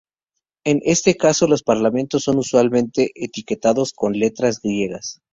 En este caso los parámetros son usualmente etiquetados con letras griegas.